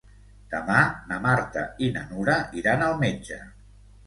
Demà na Marta i na Nura iran al metge.